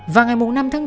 vào ngày năm tháng bốn